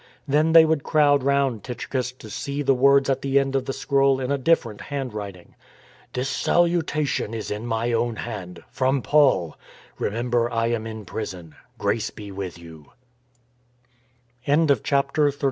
Then they would crowd round Tychicus to see the words at the end of the scroll in a different handwriting. " This salutation is in my own hand, from Paul. Remember I am in prison. Grace be with you."